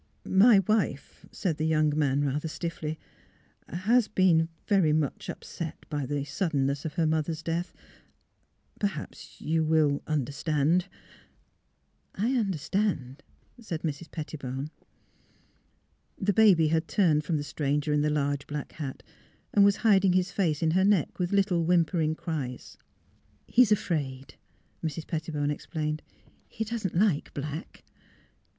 *' My wife," said the young man, rather stiffly, 350 THE HEART OF PHILURA '^ has been very much upset by the suddenness of her mother's death; perhaps you will — under stand." " I — understand," said Mrs. Pettibone. The baby had turned from the stranger in the large black hat and was hiding his face in her neck, with little whimpering cries. '* He is afraid," Mrs. Pettibone explained. ^* He doesn't like black."